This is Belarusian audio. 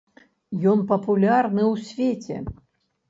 Ён папулярны ў свеце.